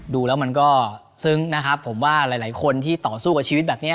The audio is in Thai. เพื่อความตอบใครแล้วมองเป็นงานเพื่อศักดิ์สิทธิ์